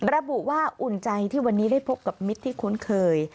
ระบุว่าอุ่นใจที่วันนี้ได้พบกับมิตรที่คุ้นเคย